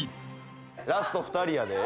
ラスト２人やで。